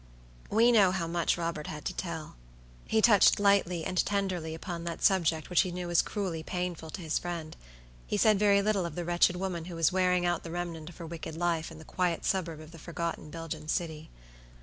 We know how much Robert had to tell. He touched lightly and tenderly upon that subject which he knew was cruelly painful to his friends; he said very little of the wretched woman who was wearing out the remnant of her wicked life in the quiet suburb of the forgotten Belgian city.